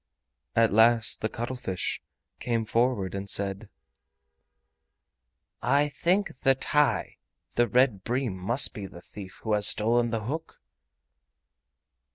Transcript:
At last the cuttlefish came forward and said: "I think the TAI (the red bream) must be the thief who has stolen the hook!"